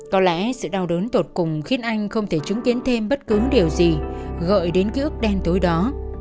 có lẽ sự đau đớn tột cùng khiến anh không thể chứng kiến thêm bất cứ điều gì gợi đến ký ức đen tối đó